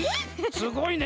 すごいね！